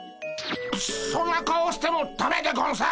そんな顔をしてもだめでゴンス。